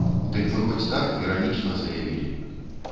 Дык мы хоць так, іранічна, заявілі.